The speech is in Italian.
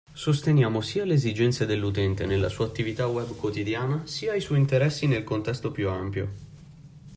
Sosteniamo sia le esigenze dell'utente nella sua attività web quotidiana sia i suoi interessi nel contesto più ampio.